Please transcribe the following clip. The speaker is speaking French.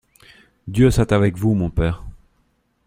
Dieu soit avec vous, mon père !